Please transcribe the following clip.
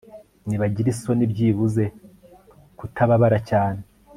Nibagire isoni byibuze kutababara cyane